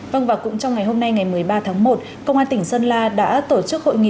vâng và cũng trong ngày hôm nay ngày một mươi ba tháng một công an tỉnh sơn la đã tổ chức hội nghị